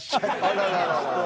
あらららら。